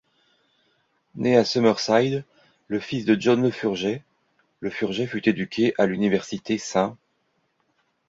Né à Summerside, le fils de John Lefurgey, Lefurgey fut éduqué à l'université St.